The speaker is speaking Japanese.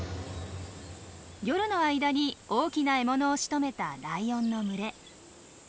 夜の間に大きな獲物をしとめたライオンの群れ。